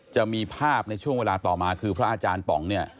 จะมีภาพในช่วงเวลาต่อมาคือพระอาจารย์ป๋องเนี่ย